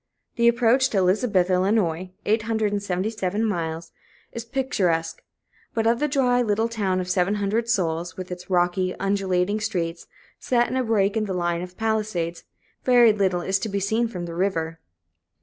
The approach to Elizabethtown, Ill. (877 miles), is picturesque; but of the dry little town of seven hundred souls, with its rocky, undulating streets set in a break in the line of palisades, very little is to be seen from the river.